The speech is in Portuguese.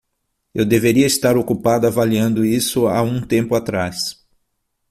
Eu deveria estar ocupado avaliando isso há um tempo atrás.